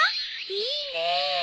いいねえ！